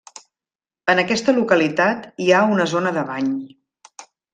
En aquesta localitat hi ha una zona de bany.